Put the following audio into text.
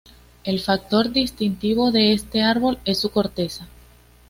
El factor distintivo de este árbol es su corteza.